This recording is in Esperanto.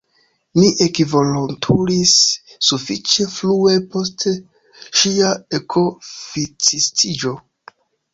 Mi ekvolontulis sufiĉe frue post ŝia ekoficistiĝo.